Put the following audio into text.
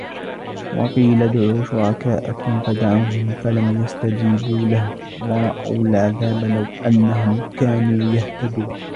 وَقِيلَ ادْعُوا شُرَكَاءَكُمْ فَدَعَوْهُمْ فَلَمْ يَسْتَجِيبُوا لَهُمْ وَرَأَوُا الْعَذَابَ لَوْ أَنَّهُمْ كَانُوا يَهْتَدُونَ